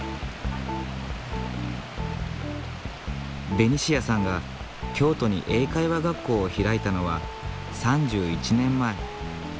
ベニシアさんが京都に英会話学校を開いたのは３１年前。